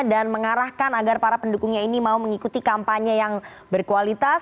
dan mengarahkan agar para pendukungnya ini mau mengikuti kampanye yang berkualitas